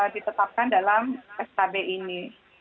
ditetapkan dalam stb ini